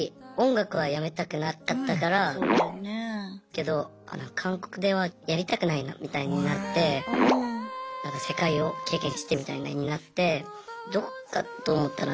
けど韓国ではやりたくないなみたいになって世界を経験してみたいなになってどこかと思ったら日本だったので。